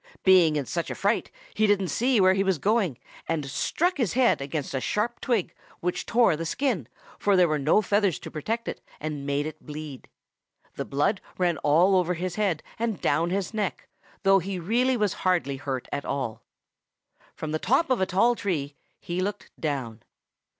Being in such a fright, he didn't see where he was going, and struck his head against a sharp twig, which tore the skin, for there were no feathers to protect it, and made it bleed. The blood ran all over his head and down his neck, though he really was hardly hurt at all. From the top of a tall tree he looked down.